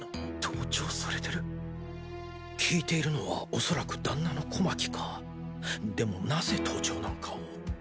聞いているのはおそらく旦那の小牧かでもなぜ盗聴なんかを？